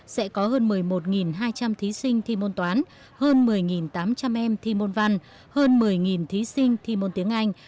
sẽ có hơn một mươi một hai trăm linh thí sinh thi môn toán hơn một mươi tám trăm linh em thi môn văn hơn một mươi thí sinh thi môn tiếng anh